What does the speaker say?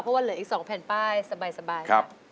เพราะว่าเหลืออีก๒แผ่นป้ายสบายค่ะ